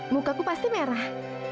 mukaku pasti merah